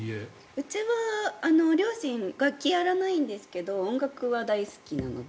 うちは両親、楽器やらないんですけど音楽は大好きなので。